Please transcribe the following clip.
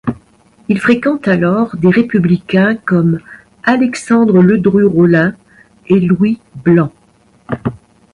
Il fréquente alors des républicains, comme Alexandre Ledru-Rollin et Louis Blanc.